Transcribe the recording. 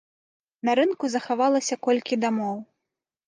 На рынку захавалася колькі дамоў.